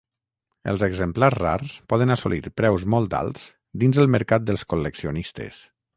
Els exemplars rars poden assolir preus molt alts dins el mercat dels col·leccionistes.